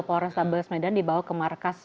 polres tables medan dibawa ke markas